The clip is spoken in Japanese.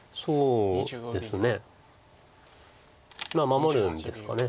守るんですか。